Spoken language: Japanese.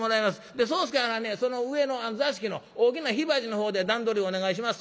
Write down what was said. で宗助はんはねその上の座敷の大きな火鉢の方で段取りお願いしますわ。